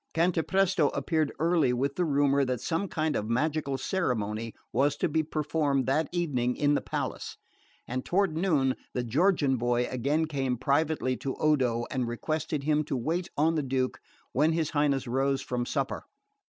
Cantapresto appeared early with the rumour that some kind of magical ceremony was to be performed that evening in the palace; and toward noon the Georgian boy again came privately to Odo and requested him to wait on the Duke when his Highness rose from supper.